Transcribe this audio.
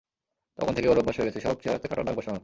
তখন থেকে, ওর অভ্যাস হয়ে গেছে, সব চেহারাতে কাটা দাগ বসানোর।